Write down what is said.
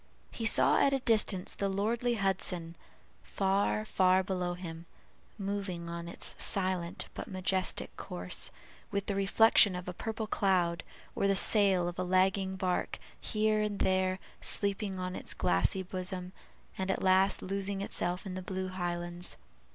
He saw at a distance the lordly Hudson, far, far below him, moving on its silent but majestic course, with the reflection of a purple cloud, or the sail of a lagging bark, here and there sleeping on its glassy bosom and at last losing itself in the blue highlands.